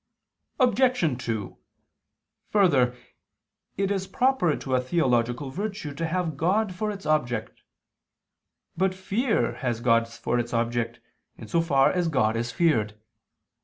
Obj. 2: Further, it is proper to a theological virtue to have God for its object. But fear has God for its object, in so far as God is feared.